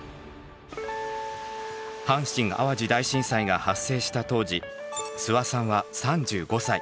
阪神・淡路大震災が発生した当時諏訪さんは３５歳。